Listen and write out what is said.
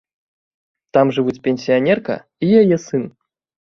Там жывуць пенсіянерка і яе сын.